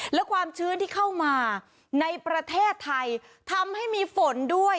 และความชื้นที่เข้ามาในประเทศไทยทำให้มีฝนด้วย